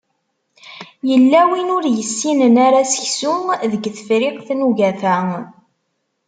Yella win ur yessinen ara seksu deg Tefriqt n ugafa